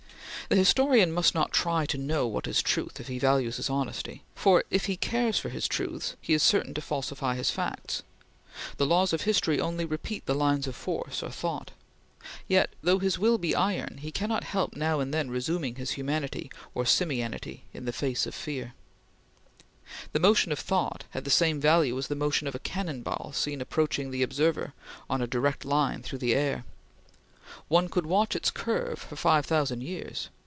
The historian must not try to know what is truth, if he values his honesty; for, if he cares for his truths, he is certain to falsify his facts. The laws of history only repeat the lines of force or thought. Yet though his will be iron, he cannot help now and then resuming his humanity or simianity in face of a fear. The motion of thought had the same value as the motion of a cannon ball seen approaching the observer on a direct line through the air. One could watch its curve for five thousand years.